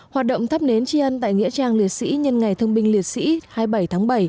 hoạt động thắp nến tri ân tại nghĩa trang liệt sĩ nhân ngày thương binh liệt sĩ hai mươi bảy tháng bảy